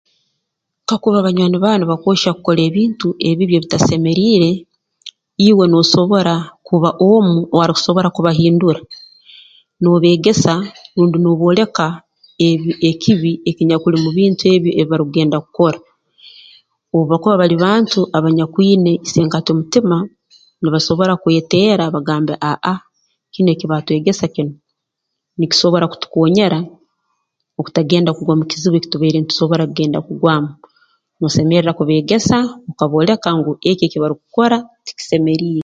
Kakuba banywani baawe nibakwohya kukora ebintu ebibi ebitasemeriire iwe noosobora kuba omu owaarukusobora kubahindura noobeegesa rundi noobooleka ebi ekibi ekinyakuli mu bintu ebi ebi barukugenda kukora obu bakuba bali bantu abanyakwina isenkati mutima nibasobora kweteera bagambe aah-aah kinu eki baatwegesa kinu nikisobora kutukoonyera okutagenda kugwa mu kiziba eki tubaire ntusobora kugenda kugwamu noosemerra kubeegesa okabooleka ngu eki eki barukukora tikisemeriire